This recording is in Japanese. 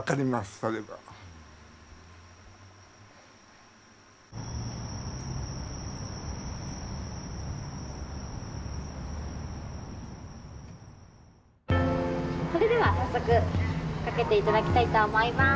僕らはそれでは早速かけて頂きたいと思います。